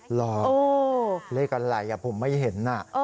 เหรอเลขอะไรผมไม่เห็น